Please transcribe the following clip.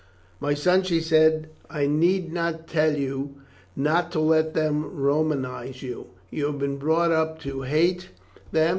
"My son," she said, "I need not tell you not to let them Romanize you. You have been brought up to hate them.